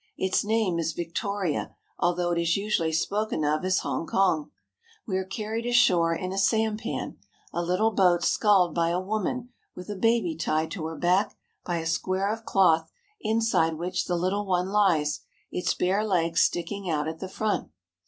Its name is Victoria, although it is usually spoken of as Hong kong. We are carried ashore in a sampan, a little boat sculled by a woman with a baby tied to her back by a square of cloth inside which the little one lies, its bare legs sticking out at the front.